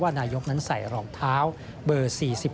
นายกนั้นใส่รองเท้าเบอร์๔๑